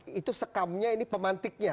ini tekamnya ini pemantiknya